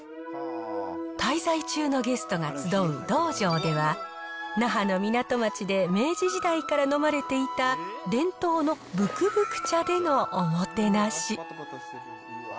滞在中のゲストが集う道場では、那覇の港町で明治時代から飲まれていた、伝統のぶくぶく茶でのおもてなし。